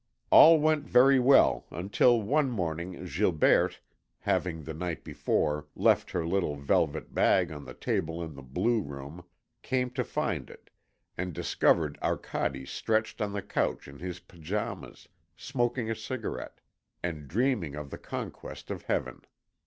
All went very well until one morning Gilberte, having, the night before, left her little velvet bag on the table in the blue room, came to find it, and discovered Arcade stretched on the couch in his pyjamas, smoking a cigarette, and dreaming of the conquest of Heaven.